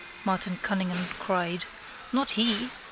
Martin Cunningham cried. Not he!